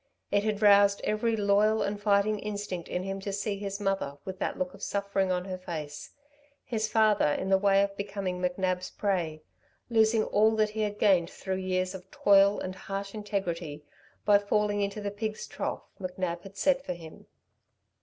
It had roused every loyal and fighting instinct in him to see his mother with that look of suffering on her face; his father in the way of becoming McNab's prey losing all that he had gained through years of toil and harsh integrity by falling into the pigs' trough McNab had set for him.